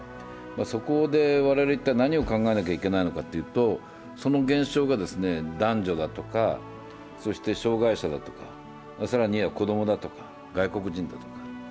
そこで我々一体何を考えなければいけないのかというとその現象が男女だとか、そして障害者だとか、更には子供だとか、外国人だとか。